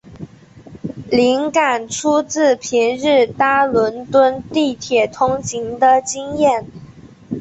灵感出自平日搭伦敦地铁通勤的经验。